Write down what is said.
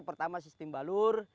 pertama sistem balur